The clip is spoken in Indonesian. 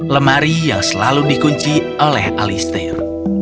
lemari yang selalu dikunci oleh alister